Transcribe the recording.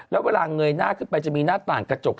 แล้วเวลาเงยหน้าขึ้นไปจะมีหน้าต่างกระจก